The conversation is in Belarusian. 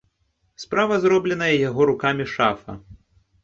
Справа зробленая яго рукамі шафа.